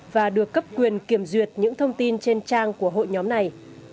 và được cấp quyền kiểm duyệt những thông tin trên trang của hội nhóm này